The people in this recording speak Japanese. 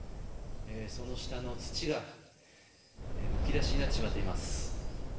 その下の土がむき出しになってしまっています。